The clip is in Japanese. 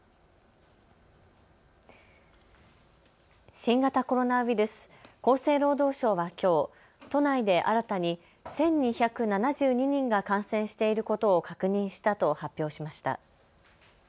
新型コロナウイルス厚生労働省はきょう都内で新たに１２７２人が感染していることを確認したと発表しました。